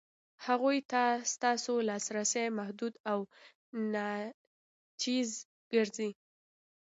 هغو ته ستاسو لاسرسی محدود او ناچیز ګرځي.